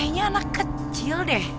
kayaknya anak kecil deh